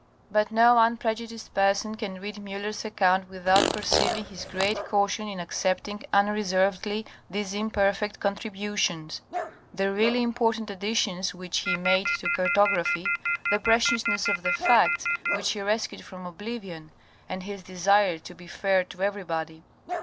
But no unprejudiced person can read Miller's account without perceiving his great caution in accepting unreservedly these imperfect contributions, the really important additions which he made to car tography, the preciousness of the facts which he rescued from oblivion, and his desire to be fair to everybody.